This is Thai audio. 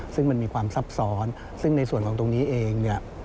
ซึ่งมันมีความซับซ้อนซึ่งในส่วนของตรงนี้เองเนี่ย